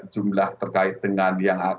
jumlah terkait dengan yang